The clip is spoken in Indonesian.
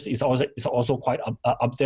ini juga sangat tinggi